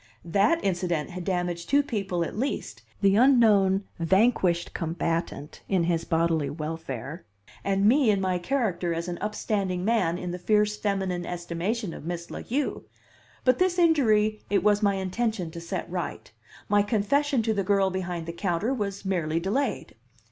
That incident had damaged two people at least, the unknown vanquished combatant in his bodily welfare, and me in my character as an upstanding man in the fierce feminine estimation of Miss La Heu; but this injury it was my intention to set right; my confession to the girl behind the counter was merely delayed.